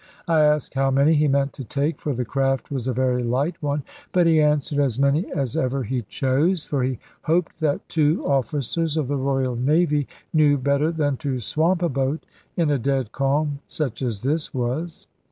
I asked how many he meant to take, for the craft was a very light one; but he answered, "As many as ever he chose, for he hoped that two officers of the Royal Navy knew better than to swamp a boat in a dead calm such as this was."